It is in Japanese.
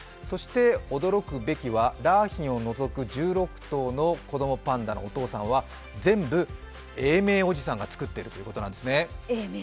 驚くべきは良浜を除く１６頭の子供パンダのお父さんは全部、永明おじさんがつくっているということなんですね。